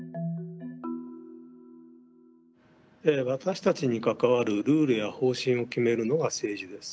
私たちに関わるルールや方針を決めるのが政治です。